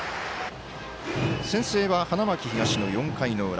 先制は花巻東の４回の裏。